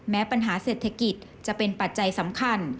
แม้ปัญหาเศรษฐกิจจะเป็นปัจจัยสำคัญ